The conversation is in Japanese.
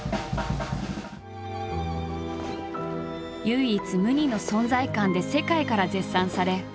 唯一無二の存在感で世界から絶賛され